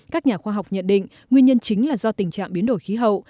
các nhà khoa học nhận định nguyên nhân chính là do tình trạng biến đổi khí hậu